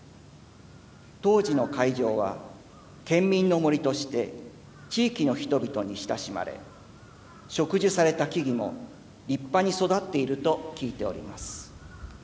当時の会場は「県民の森」として地域の人々に親しまれ植樹された木々も立派に育っていると聞いております。